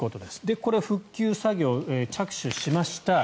これは復旧作業、着手しました。